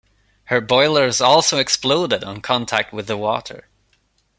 Her boilers also exploded on contact with the water.